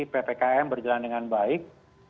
ppkm berjalan dengan baik